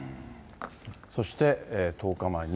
そして、１０日前に。